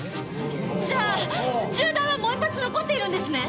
じゃあ銃弾はもう１発残っているんですね？